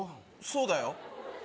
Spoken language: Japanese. そうだよ